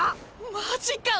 マジか？